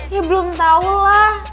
ya belum tau lah